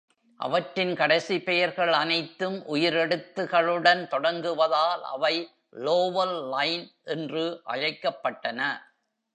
அவற்றின் கடைசி பெயர்கள் அனைத்தும் உயிரெழுத்துகளுடன் தொடங்குவதால் அவை "வோவல் லைன்" என்று அழைக்கப்பட்டன.